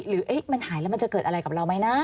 หรือมันหายแล้วมันจะเกิดอะไรกับเราไหมนะ